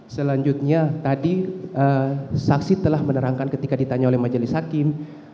selanjutnya tadi saksi telah menerangkan ketika ditanya oleh majelis hakim